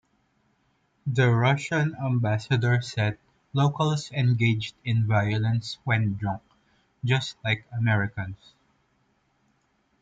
The Russian Ambassador said locals engaged in violence when drunk, just like Americans.